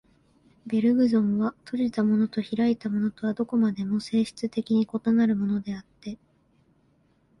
ベルグソンは、閉じたものと開いたものとはどこまでも性質的に異なるものであって、